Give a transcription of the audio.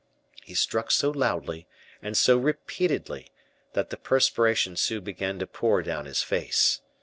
He struck so loudly, and so repeatedly, that the perspiration soon began to pour down his face.